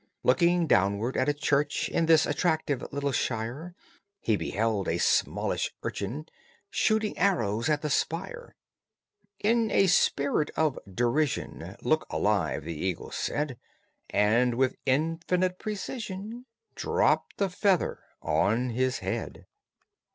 Looking downward at a church in This attractive little shire, He beheld a smallish urchin Shooting arrows at the spire; In a spirit of derision, "Look alive!" the eagle said; And, with infinite precision, Dropped a feather on his head.